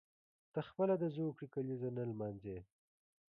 ته خپله د زوکړې کلیزه نه لمانځي.